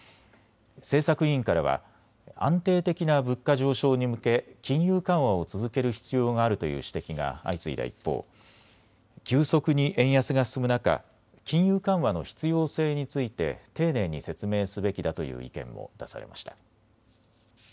政策委員からは安定的な物価上昇に向け金融緩和を続ける必要があるという指摘が相次いだ一方、急速に円安が進む中、金融緩和の必要性について丁寧に説明すべきだという意見も出されました。